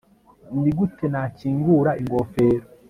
nigute nakingura ingofero